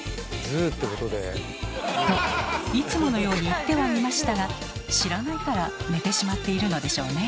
ＺＯＯってことで。といつものように言ってはみましたが知らないから寝てしまっているのでしょうね。